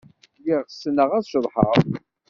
Lliɣ ssneɣ ad ceḍḥeɣ.